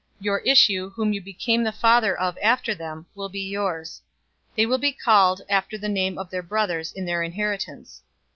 048:006 Your issue, who you become the father of after them, will be yours. They will be called after the name of their brothers in their inheritance.